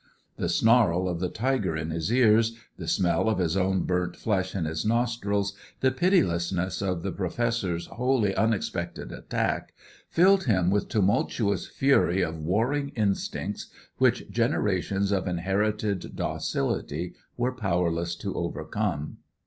The snarl of the tiger in his ears, the smell of his own burnt flesh in his nostrils, the pitilessness of the Professor's wholly unexpected attack, filled him with a tumultuous fury of warring instincts which generations of inherited docility were powerless to overcome.